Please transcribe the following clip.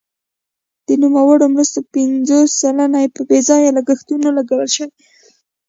د نوموړو مرستو پنځوس سلنه په بې ځایه لګښتونو لګول شوي.